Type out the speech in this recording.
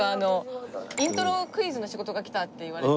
「イントロクイズの仕事が来た」って言われて。